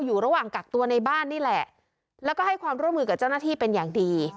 อยู่ระหว่างกักตัวในบ้านนี่แหละแล้วก็ให้ความร่วมมือกับเจ้าหน้าที่เป็นอย่างดี